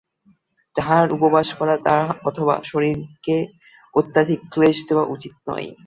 তাঁহার উপবাস করা অথবা শরীরকে অত্যধিক ক্লেশ দেওয়া উচিত নয়।